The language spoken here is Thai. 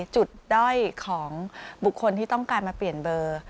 ด้อยของบุคคลที่ต้องการมาเปลี่ยนเบอร์